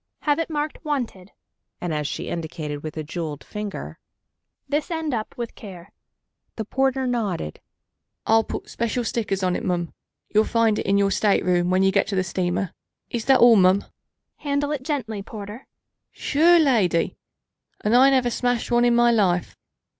"Have it marked 'Wanted'" (and as she indicated with a jeweled finger), "'This End up with Care.'" The porter nodded. "I'll put special stickers on it, mum. You'll find it in your stateroom when you get to the steamer. Is that all, mum?" "Handle it gently, porter." "Shure, lady and I never smashed one in me life!